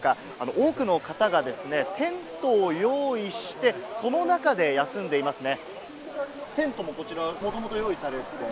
多くの方がですね、テントを用意して、その中で休んでいますね。